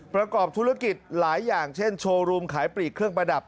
ประกอบธุรกิจหลายอย่างเช่นโชว์รูมขายปลีกเครื่องประดับ